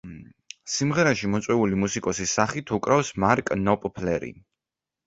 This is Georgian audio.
სიმღერაში მოწვეული მუსიკოსის სახით უკრავს მარკ ნოპფლერი.